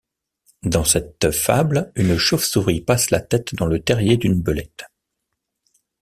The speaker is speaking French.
Dans cette fable, une chauve-souris passe la tête dans le terrier d'une belette.